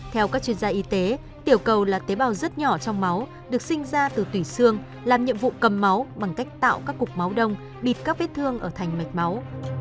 theo các chuyên gia y tế tiểu cầu là tế bào rất nhỏ trong máu được sinh ra từ tùy xương làm nhiệm vụ cầm máu bằng cách tạo các cục máu đông bịt các vết thương ở thành mạch máu